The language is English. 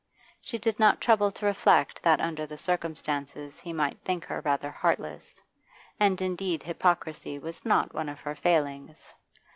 She did not trouble to reflect that under the circumstances he might think her rather heartless, and indeed hypocrisy was not one of her failings.